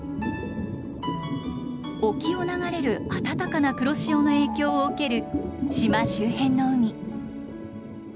沖を流れる暖かな黒潮の影響を受ける島周辺の海。